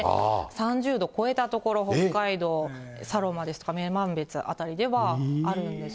３０度超えた所、北海道佐呂間ですとか、女満別辺りではあるんです。